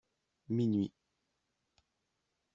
Minuit.